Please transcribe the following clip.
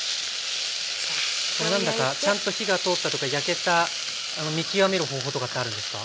ちゃんと火が通ったとか焼けた見極める方法とかってあるんですか？